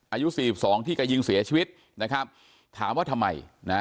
อายุ๔๒ที่กายิงเสียชีวิตถามว่าทำไม